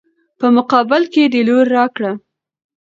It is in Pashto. په مقابل کې د لور راکړه.